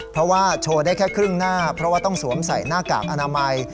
เพราะว่าโชว์ได้แค่ครึ่งหน้าเพราะว่าต้องสวมใส่หน้ากากอนามัย